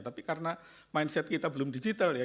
tapi karena mindset kita belum digital ya